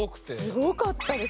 すごかったです。